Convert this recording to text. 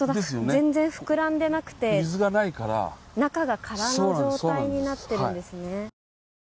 全然膨らんでなくて中が空の状態になっているんですね。